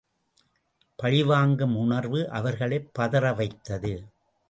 பழிவாங்கும் உணர்வு அவர்களைப் பதற வைத்தது.